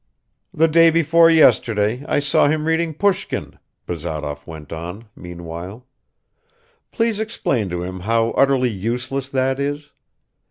"The day before yesterday I saw him reading Pushkin," Bazarov went on meanwhile. "Please explain to him how utterly useless that is.